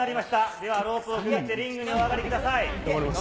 ではロープをくぐってリングにお上がりください。